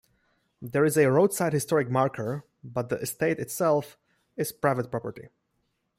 There is a roadside "historic marker", but the estate itself is private property.